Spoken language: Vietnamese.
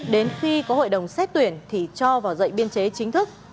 đến khi có hội đồng xét tuyển thì cho vào dạy biên chế chính thức